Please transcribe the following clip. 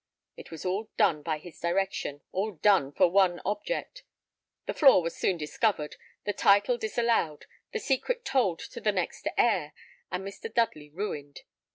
It was all done by his directions all done for one object. The flaw was soon discovered, the title disallowed, the secret told to the next heir, and Mr. Dudley ruined.